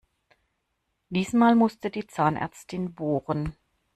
Diesmal musste die Zahnärztin bohren.